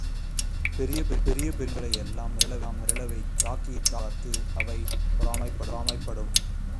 பெரிய பெரிய மிருகங்களை எல்லாம் மிரள வைக்கும் ராகியைப் பார்த்து அவை பொறாமைப்படும்.